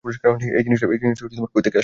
এই জিনিসটা কই থেকে আসলো?